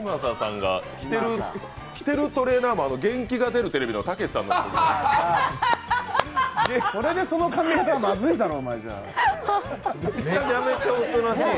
嶋佐さんが着てるトレーナーも「元気が出るテレビ！！」のたけしさんのそれでその髪形はまずいだろう。